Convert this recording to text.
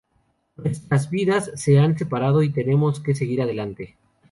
Nuestras vidas se han separado y tenemos que seguir adelante.